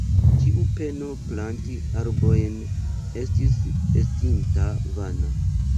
Ĉiu peno planti arbojn, estis estinta vana.